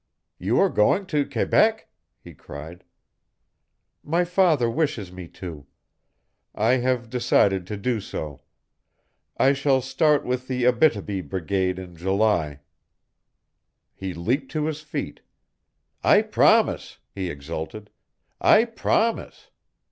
"You are going to Quebec?" he cried. "My father wishes me to. I have decided to do so. I shall start with the Abítibi brigade in July." He leaped to his feet. "I promise!" he exulted, "I promise!